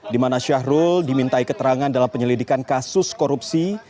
di mana syahrul dimintai keterangan dalam penyelidikan kasus korupsi